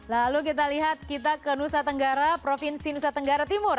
lalu kita lihat kita ke nusa tenggara provinsi nusa tenggara timur